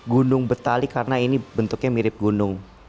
gunung betali karena ini bentuknya mirip gunung